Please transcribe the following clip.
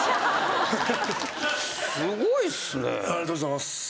すごいっすね。ありがとうございます。